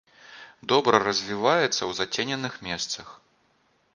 Добра развіваецца ў зацененых месцах.